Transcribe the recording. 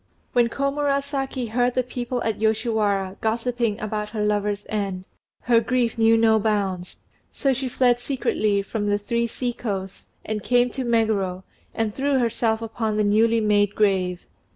When Komurasaki heard the people at Yoshiwara gossiping about her lover's end, her grief knew no bounds, so she fled secretly from "The Three Sea coasts," and came to Meguro and threw herself upon the newly made grave.